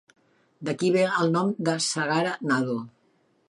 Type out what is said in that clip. D'aquí ve el nom de Sagara Nadu.